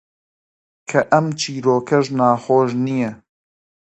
کە ئەم چیرۆکەش ناخۆش نییە: